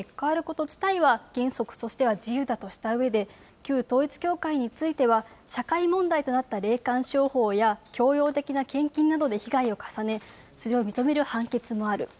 高准教授は宗教団体が政治活動に関わること自体は原則としては自由だとしたうえで、旧統一教会については、社会問題となった霊感商法や、強要的な献金などで被害を重ね、それを認める判決もある。